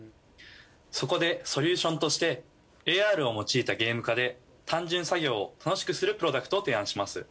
そこでソリューションとしてＡＲを用いたゲーム化で単純作業を楽しくするプロダクトを提案します。